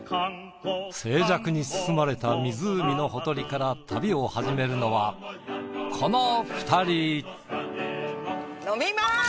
静寂に包まれた湖のほとりから旅を始めるのはこの２人。